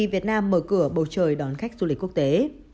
việt nam mở cửa bầu trời đón khách du lịch quốc tế